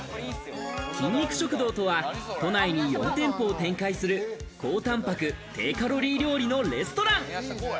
筋肉食堂とは、都内に４店舗を展開する高タンパク低カロリー料理のレストラン。